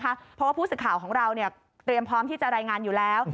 เพราะว่าผู้สื่อข่าวของเราเตรียมพร้อมที่จะรายงานอยู่แล้ว